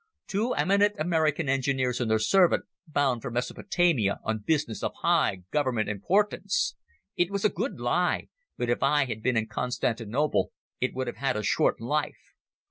"Two eminent American engineers and their servant bound for Mesopotamia on business of high Government importance! It was a good lie; but if I had been in Constantinople it would have had a short life.